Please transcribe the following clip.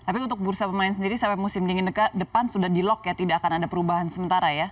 tapi untuk bursa pemain sendiri sampai musim dingin depan sudah di lock ya tidak akan ada perubahan sementara ya